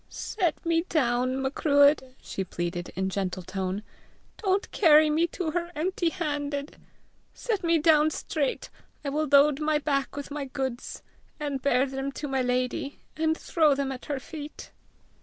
"Set me down, Macruadh!" she pleaded in gentle tone. "Don't carry me to her empty handed! Set me down straight; I will load my back with my goods, and bear them to my lady, and throw them at her feet."